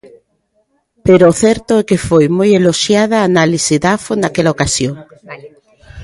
Pero o certo é que foi moi eloxiada a análise Dafo naquela ocasión.